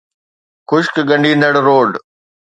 خشڪ ڳنڍيندڙ روڊ